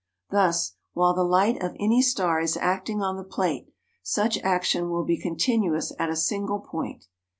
Thus, while the light of any star is acting on the plate, such action will be continuous at a single point.